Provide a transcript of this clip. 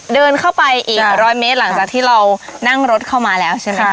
เดินเข้าไปอีกร้อยเมตรหลังจากที่เรานั่งรถเข้ามาแล้วใช่ไหมคะ